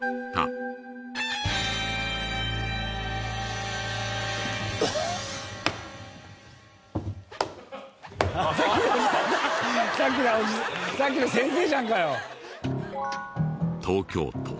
さっきのさっきの先生じゃんかよ。